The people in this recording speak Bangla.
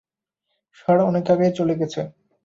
ষাঁড় অনেক আগেই চলে গেছে।